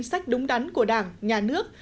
sách đúng đắn của đảng nhà nước